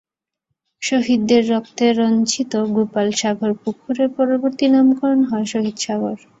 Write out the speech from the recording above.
শহীদদের রক্তে রঞ্জিত ‘গোপাল সাগর’ পুকুরের পরবর্তী নামকরণ হয় ‘শহীদ সাগর’।